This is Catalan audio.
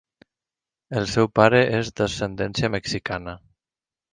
El seu pare és d'ascendència mexicana.